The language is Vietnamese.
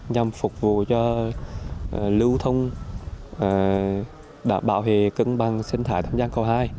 nhằm phục vụ cho lưu thông bảo hệ cân bằng sinh thái tâm giang cầu hai